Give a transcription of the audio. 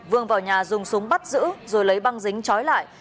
vương vào nhà dùng súng bắt giữ rồi lấy băng dính chói lại